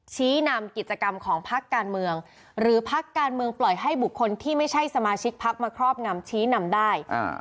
ชี้นำกิจกรรมของพักการเมืองหรือพักการเมืองปล่อยให้บุคคลที่ไม่ใช่สมาชิกพักมาครอบงำชี้นำได้